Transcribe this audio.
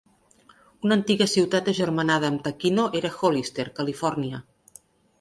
Una antiga ciutat agermanada amb Takino era Hollister, Califòrnia.